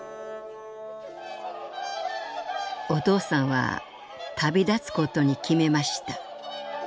「お父さんは旅立つことに決めました。